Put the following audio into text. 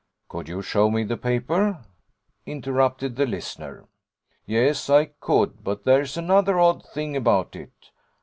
"' 'Could you show me the paper?' interrupted the listener. 'Yes, I could: but there's another odd thing about it.